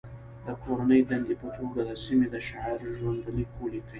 د کورنۍ دندې په توګه د سیمې د شاعر ژوند لیک ولیکئ.